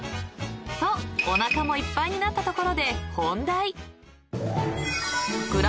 ［とおなかもいっぱいになったところで］